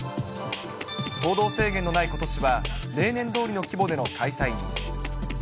行動制限のないことしは例年どおりの規模での開催に。